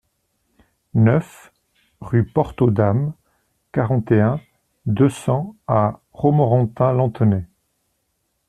neuf rue Porte aux Dames, quarante et un, deux cents à Romorantin-Lanthenay